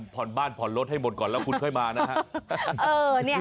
ผ่อนบ้านผ่อนรถให้หมดก่อนแล้วคุณค่อยมานะฮะ